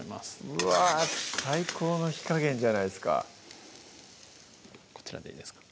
うわぁ最高の火加減じゃないですかこちらでいいですか？